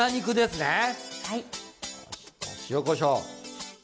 塩こしょう。